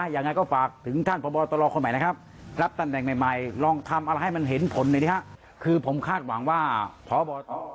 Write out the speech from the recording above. ยังไงก็ฝากถึงท่านพบตรคนใหม่นะครับรับตำแหน่งใหม่ลองทำอะไรให้มันเห็นผลหน่อยดีครับคือผมคาดหวังว่าพบต